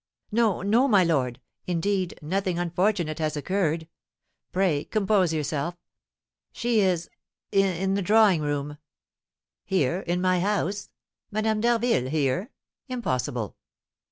"No, no, my lord indeed, nothing unfortunate has occurred. Pray compose yourself! She is in the drawing room " "Here in my house? Madame d'Harville here? Impossible!"